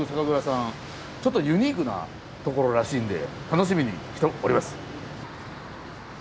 ちょっとユニークな所らしいんで楽しみにしております。